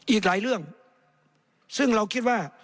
อีกหลายเรื่องซึ่งเราคิดว่า